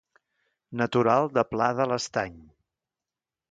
Natural de Pla de l'Estany.